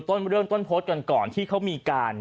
ต้นเรื่องต้นโพสต์กันก่อนที่เขามีการ